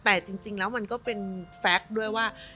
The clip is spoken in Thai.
แต่จริงแล้วมันก็เป็นแฟคด้วยว่า